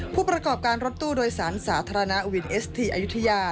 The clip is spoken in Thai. ผู้ประกอบการรถตู้โดยสารสาธารณะวินเอสทีอายุทยา